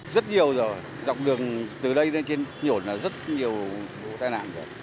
rất nhiều rồi dọc đường từ đây lên trên nhổn là rất nhiều tai nạn rồi